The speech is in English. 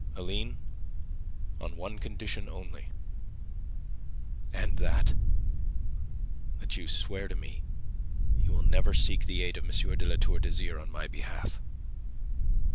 "Aline, on one condition only." "And that?" "That you swear to me you will never seek the aid of M. de La Tour d'Azyr on my behalf."